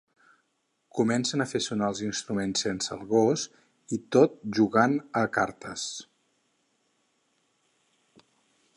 Comencen a fer sonar els instruments sense el gos i tot jugant a cartes.